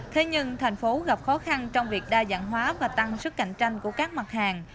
thế nhưng thành phố gặp khó khăn trong việc đa dạng hóa và tăng sức cạnh tranh của các mặt hàng